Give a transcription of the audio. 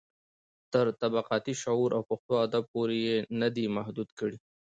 تر طبقاتي شعور او پښتو ادب پورې يې نه دي محدوې کړي.